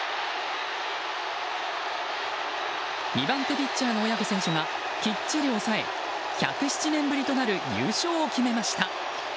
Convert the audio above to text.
２番手ピッチャーの小宅選手がきっちり抑え１０７年ぶりとなる優勝を決めました。